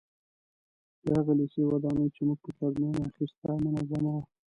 د هغه لېسې ودانۍ چې موږ په کې ازموینه اخیسته منظمه وه.